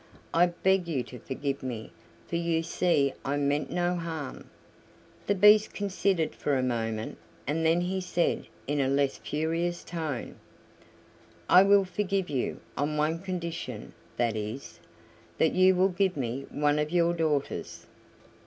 I beg you to forgive me, for you see I meant no harm." The Beast considered for a moment, and then he said, in a less furious tone: "I will forgive you on one condition that is, that you will give me one of your daughters."